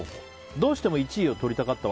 どうしても１位を取りたかった